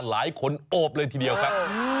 หลายคนโอบเลยทีเดียวครับ